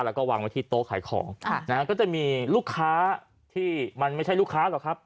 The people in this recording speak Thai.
แล้วก็วางไว้ที่โต๊ะขายของก็จะมีลูกค้าที่มันไม่ใช่ลูกค้าหรอกครับ